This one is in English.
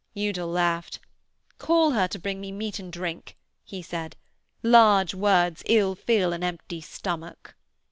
Udal laughed. 'Call her to bring me meat and drink,' he said. 'Large words ill fill an empty stomach.'